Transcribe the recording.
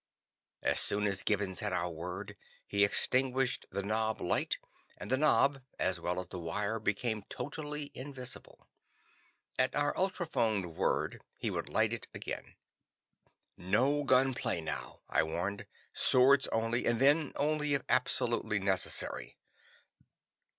As soon as Gibbons had our word, he extinguished the knob light, and the knob, as well as the wire, became totally invisible. At our ultrophoned word, he would light it again. "No gun play now," I warned. "Swords only, and then only if absolutely necessary."